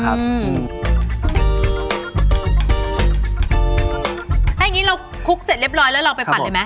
ถ้าอย่างนี้เราคลุกเสร็จเรียบร้อยแล้วเราไปปั่นเลยไหม